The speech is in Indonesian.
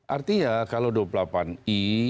artinya kalau dua puluh delapan i